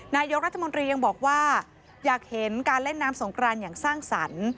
นายกรัฐมนตรียังบอกว่าอยากเห็นการเล่นน้ำสงกรานอย่างสร้างสรรค์